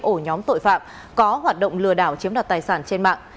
ổ nhóm tội phạm có hoạt động lừa đảo chiếm đoạt tài sản trên mạng